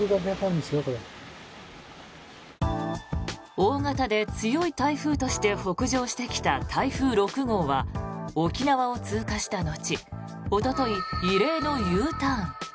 大型で強い台風として北上してきた台風６号は沖縄を通過した後おととい、異例のＵターン。